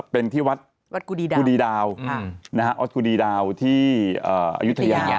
เป็นที่วัดกุฎีดาวที่อายุทยา